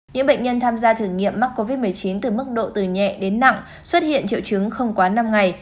những bệnh nhân tham gia thử nghiệm mắc covid một mươi chín từ mức độ từ nhẹ đến nặng xuất hiện triệu chứng không quá năm ngày